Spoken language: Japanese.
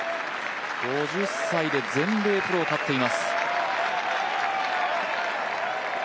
５０歳で全米プロを勝っています。